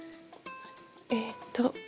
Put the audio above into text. えっと。